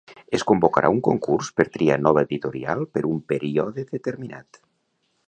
Es convocarà un concurs per triar nova editorial per un període determinat.